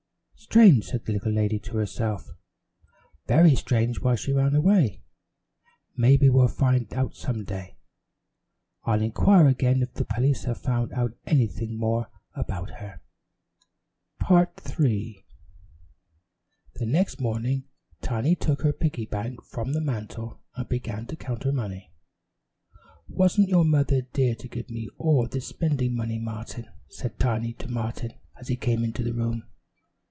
"Strange," said the little lady to herself. "Very strange why she ran away. Maybe we'll find out some day. I'll inquire again if the police have found out anything more about her." Tiny Goes Shopping The next morning Tiny took her pig bank from the mantel and began to count her money. "Wasn't your mother dear to give me all this spending money, Martin?" said Tiny to Martin as he came into the room.